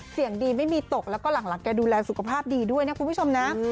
เสียงดีไม่มีตกแล้วก็หลังแกดูแลสุขภาพดีด้วยนะคุณผู้ชมนะ